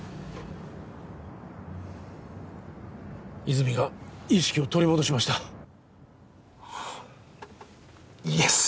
泉が意識を取り戻しましたイエス！